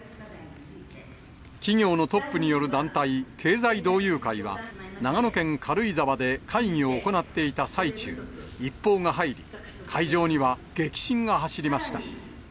企業のトップによる団体、経済同友会は長野県軽井沢で会議を行っていた最中、一報が入り、会場には激震が走りました。